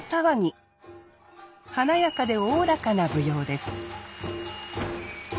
華やかでおおらかな舞踊です。